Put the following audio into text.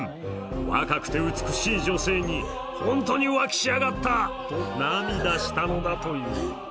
若くて美しい女性に本当に浮気しやがったと涙したのだという。